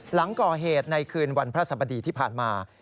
หลังก่อเหตุในคืนวันพระสบดีที่ผ่านมา